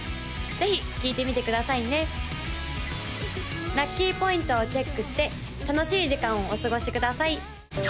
ぜひ聴いてみてくださいねラッキーポイントをチェックして楽しい時間をお過ごしください！